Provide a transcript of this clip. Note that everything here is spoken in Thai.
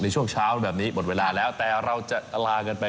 สวัสดีครับ